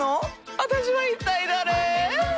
私は一体誰？